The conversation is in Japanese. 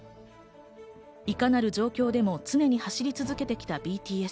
いかなる状況でも常に走り続けてきたＢＴＳ。